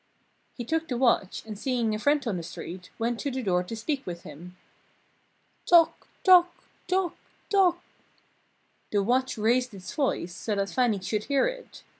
He took the watch, and seeing a friend on the street, went to the door to speak with him. "Toc! Toc! Toc! Toc!" The watch raised its voice so that Fannie should hear it.